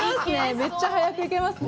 めっちゃ早く行けますね。